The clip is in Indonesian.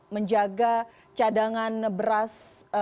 menjaga cadangan beras